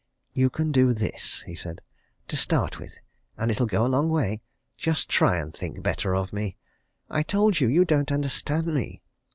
"You can do this," he said. "To start with and it'll go a long way just try and think better of me. I told you, you don't understand me.